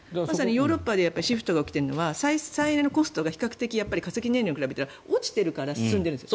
ヨーロッパでシフトが起きていることは再エネのコストが比較的、化石燃料に比べたら落ちてるから進んでるんです。